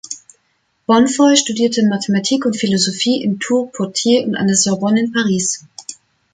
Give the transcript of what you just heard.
Bonnefoy studierte Mathematik und Philosophie in Tours, Poitiers und an der Sorbonne in Paris.